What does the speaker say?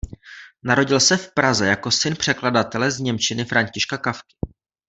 Narodil se v Praze jako syn překladatele z němčiny Františka Kafky.